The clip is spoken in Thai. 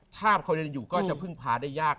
ถ้าเขายังอยู่ก็จะพึ่งพาได้ยาก